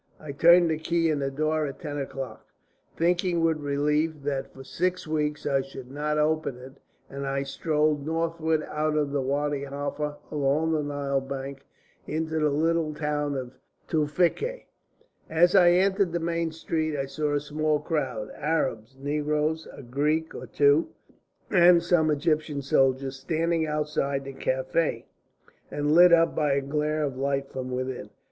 I turned the key in the door at ten o'clock, thinking with relief that for six weeks I should not open it, and I strolled northward out of Wadi Halfa along the Nile bank into the little town of Tewfikieh. As I entered the main street I saw a small crowd Arabs, negroes, a Greek or two, and some Egyptian soldiers, standing outside the café, and lit up by a glare of light from within.